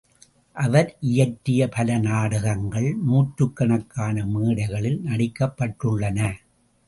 அவர் இயற்றிய பல நாடகங்கள், நூற்றுக்கணக்கான மேடைகளில் நடிக்கப்பட்டுள்ளன.